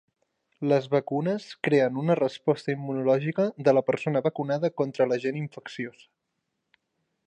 Les vacunes creen una resposta immunològica de la persona vacunada contra l'agent infecciós.